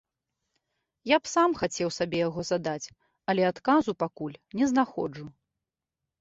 Я б сам хацеў сабе яго задаць, але адказу пакуль не знаходжу.